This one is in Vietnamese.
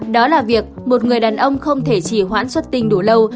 đó là việc một người đàn ông không thể chỉ hoãn xuất tinh đủ lâu